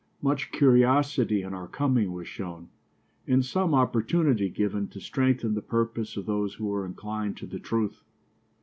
Much curiosity in our coming was shown, and some opportunity given to strengthen the purpose of those who were inclined to the truth.